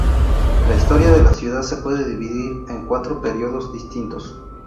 La historia de la ciudad se puede dividir en cuatro periodos distintos.